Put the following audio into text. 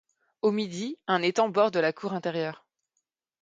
Au midi, un étang borde la cour intérieure.